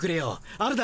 あるだろ？